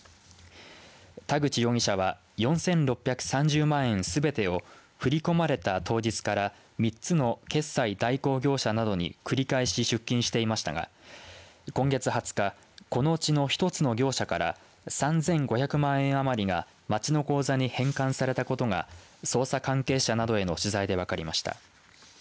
田口容疑者は４６３０万円すべてを振り込まれた当日から３つの決済代行業者などに繰り返し出金していましたが今月２０日、このうちの１つの業者から３５００万円余りが町の口座に返還されたことが捜査関係者などへの取材で分かりました。